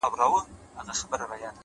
زحمت د بریا خام مواد دي؛